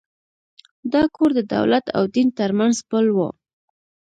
دا کور د دولت او دین تر منځ پُل و.